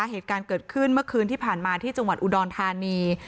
เหตุการณ์เกิดขึ้นเมื่อคืนที่ผ่านมาที่จังหวัดอุดรธานี